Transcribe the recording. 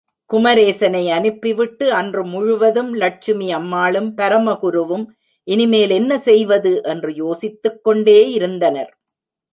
குமரேசனை அனுப்பிவிட்டு அன்று முழுவதும் லட்சுமி அம்மாளும், பரமகுருவும் இனிமேல் என்ன செய்வது? என்று யோசித்துக் கொண்டே இருந்தனர்.